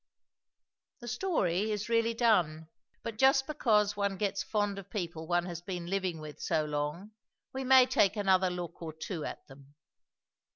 The story is really done; but just because one gets fond of people one has been living with so long, we may take another look or two at them.